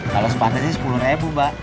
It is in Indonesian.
kalau sepatesnya rp sepuluh mbak